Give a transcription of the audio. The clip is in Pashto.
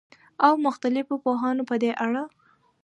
او مختلفو پوهانو په دې اړه